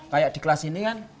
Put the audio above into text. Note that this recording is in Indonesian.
kayak di kelas ini kan